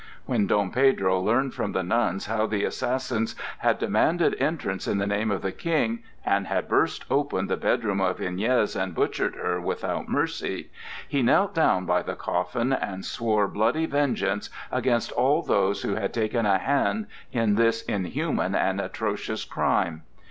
When Dom Pedro learned from the nuns how the assassins had demanded entrance in the name of the King and had burst open the bedroom of Iñez and butchered her without mercy, he knelt down by the coffin and swore bloody vengeance against all those who had taken a hand in this inhuman and atrocious crime.